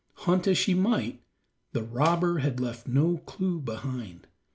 Hunt as she might, the robber had left no clue behind.